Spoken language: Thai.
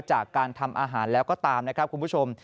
จากการทำอาหารแล้วก็ตามนะครับคุณผู้ชม